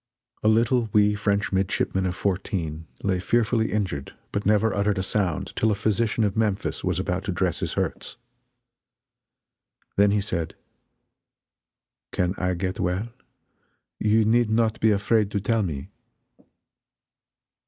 A little wee French midshipman of fourteen lay fearfully injured, but never uttered a sound till a physician of Memphis was about to dress his hurts. Then he said: "Can I get well? You need not be afraid to tell me."